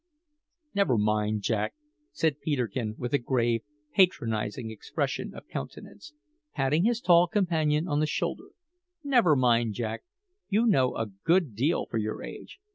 "Never mind, Jack," said Peterkin with a grave, patronising expression of countenance, patting his tall companion on the shoulder "never mind, Jack; you know a good deal for your age.